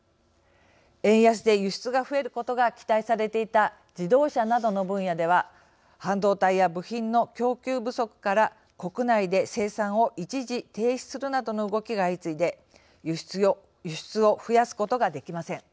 円安で輸出が増えることが期待されていた自動車などの分野では半導体や部品の供給不足から国内で生産を一時停止するなどの動きが相次いで輸出を増やすことができません。